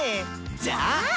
じゃあ。